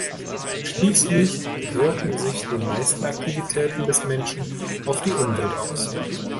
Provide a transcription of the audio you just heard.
Schließlich wirken sich die meisten Aktivitäten des Menschen auf die Umwelt aus.